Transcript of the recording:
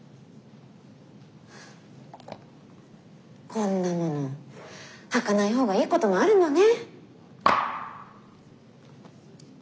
こんなもの履かないほうがいいこともあるのね。